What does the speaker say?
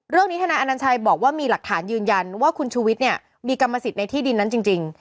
ทนายอนัญชัยบอกว่ามีหลักฐานยืนยันว่าคุณชูวิทย์เนี่ยมีกรรมสิทธิ์ในที่ดินนั้นจริง